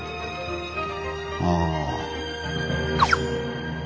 ああ。